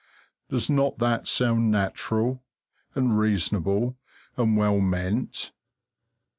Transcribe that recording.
Does not that sound natural, and reasonable, and well meant?